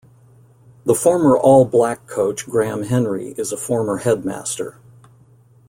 The former All Black coach Graham Henry is a former headmaster.